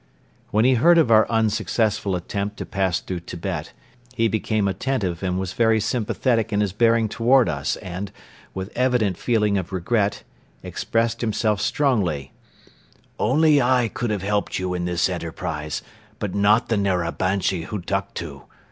When he heard of our unsuccessful attempt to pass through Tibet, he became attentive and very sympathetic in his bearing toward us and, with evident feeling of regret, expressed himself strongly: "Only I could have helped you in this enterprise, but not the Narabanchi Hutuktu.